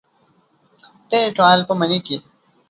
تیر کال په مني کې